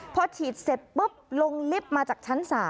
พอฉีดเสร็จปุ๊บลงลิฟต์มาจากชั้น๓